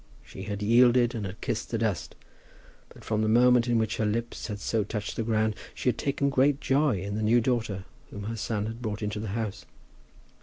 She had yielded, and had kissed the dust; but from the moment in which her lips had so touched the ground, she had taken great joy in the new daughter whom her son had brought into the house.